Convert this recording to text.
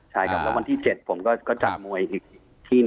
ใช่ครับแล้ววันที่๗ผมก็จัดมวยที่๑